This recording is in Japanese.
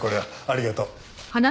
ありがとう。